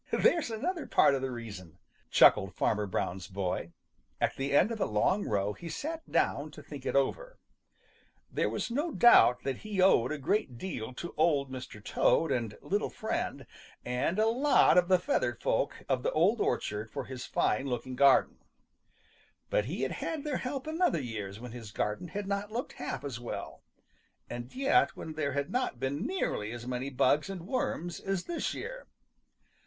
"There's another part of the reason," chuckled Farmer Brown's boy. At the end of a long row he sat down to think it over. There was no doubt that he owed a great deal to Old Mr. Toad and Little Friend and a lot of the feathered folk of the Old Orchard for his fine looking garden, but he had had their help in other years when his garden had not looked half as well, and yet when there had not been nearly as many bugs and worms as this year.